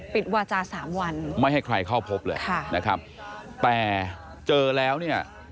วาจาสามวันไม่ให้ใครเข้าพบเลยค่ะนะครับแต่เจอแล้วเนี่ย